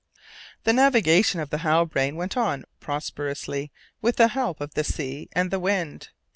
The navigation of the Halbrane went on prosperously with the help of the sea and the wind.